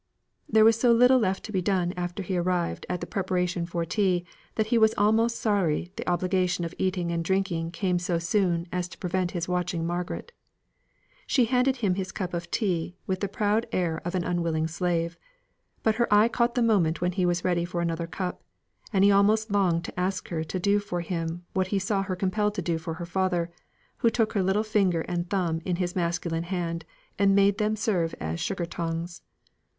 There was so little left to be done after he arrived at the preparation for tea, that he was almost sorry the obligation of eating and drinking came so soon to prevent him watching Margaret. She handed him his cup of tea with the proud air of an unwilling slave; but her eye caught the moment when he was ready for another cup; and he almost longed to ask her to do for him what he saw her compelled to do for her father, who took her little finger and thumb in his masculine hand, and made them serve as sugar tongues.